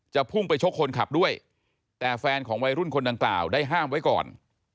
พุ่งไปชกคนขับด้วยแต่แฟนของวัยรุ่นคนดังกล่าวได้ห้ามไว้ก่อน